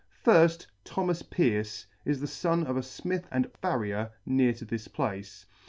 Firft, THOMAS PEARCE, is the fon of a Smith and Farrier near to this place.